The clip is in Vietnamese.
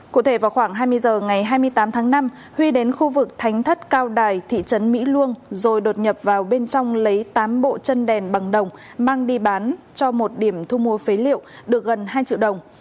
cụ thể vào khoảng hai mươi h ngày hai mươi tám tháng năm huy đến khu vực thánh thất cao đài thị trấn mỹ luông rồi đột nhập vào bên trong lấy tám bộ chân đèn bằng đồng mang đi bán cho một điểm thu mua phế liệu được gần hai triệu đồng